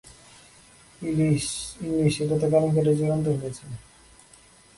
English, এটা তো কেলেঙ্কারির চূড়ান্ত হয়েছে।